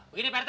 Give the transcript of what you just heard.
begini pak rt